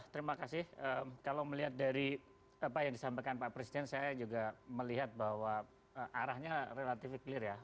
terima kasih kalau melihat dari apa yang disampaikan pak presiden saya juga melihat bahwa arahnya relatif clear ya